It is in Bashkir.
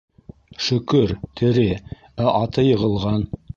Шөкөр, тере, ә аты йығылған.